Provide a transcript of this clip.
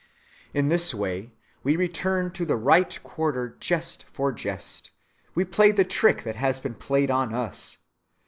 In this way we return to the right quarter jest for jest; we play the trick that has been played on us.